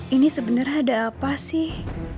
ini sebenarnya ada apa sih